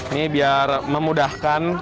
ini biar memudahkan